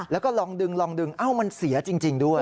แล้วก็ลองดึงลองดึงเอ้ามันเสียจริงด้วย